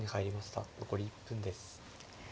残り１分です。